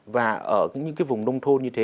và ở những vùng nông thôn như thế